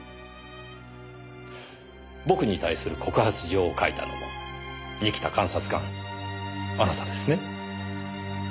僕に対する告発状を書いたのも仁木田監察官あなたですね？